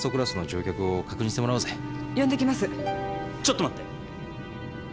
ちょっと待って。